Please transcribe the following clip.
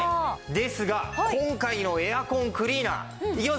ですが今回のエアコンクリーナー。いきますよ？